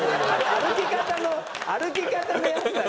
歩き方の歩き方のやつだから。